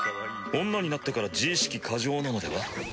女になってから自意識過剰なのでは？